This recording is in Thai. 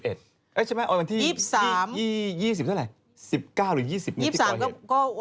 เอ๊ะใช่ไหมวันที่๒๐เท่าไหร่๑๙หรือ๒๐นี่ที่ก่อเหตุ